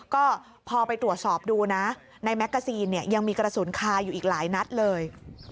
ก็พอไปตรวจสอบดูนะในแมกกาซีนยังมีกระสุนคาอยู่อีกหลายนัดเลย